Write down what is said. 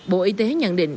bộ y tế nhận định